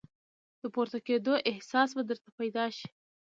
د پورته کېدو احساس به درته پیدا شي !